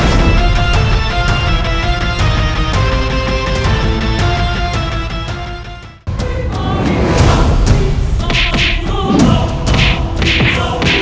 sepertinya kau hati hati